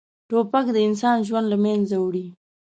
توپک د انسان ژوند له منځه وړي.